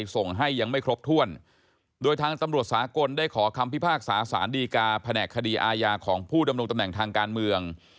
สาธารณ์ดีการ์แผนกคดีอาญาของผู้ดำนวงตำแหน่งทางการเมือง